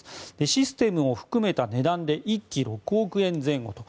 システムを含めた値段で１機６億円前後と。